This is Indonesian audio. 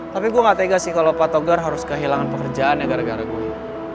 tapi gue gak tegas sih kalau pak togar harus kehilangan pekerjaannya gara gara gue